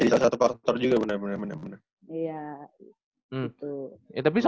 di salah satu faktor juga bener bener